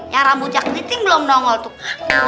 nyara bujak riting belum nongol tuh